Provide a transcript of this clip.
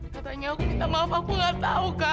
katanya aku minta maaf aku gak tahu kak